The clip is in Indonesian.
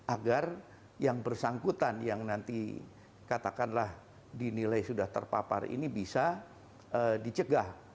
agar yang bersangkutan yang nanti katakanlah dinilai sudah terpapar ini bisa dicegah